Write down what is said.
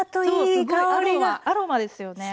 そうすごいアロマアロマですよね。